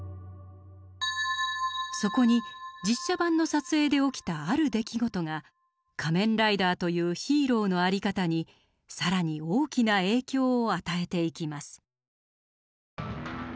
そこに実写版の撮影で起きたある出来事が仮面ライダーというヒーローの在り方に更に大きな影響を与えていきます。